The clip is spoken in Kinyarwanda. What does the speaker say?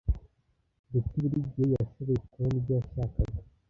Betty buri gihe yashoboye kubona ibyo yashakaga.